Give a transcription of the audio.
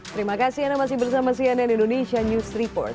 terima kasih anda masih bersama cnn indonesia news report